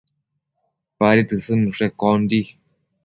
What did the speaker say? Padi tësëdnushe con di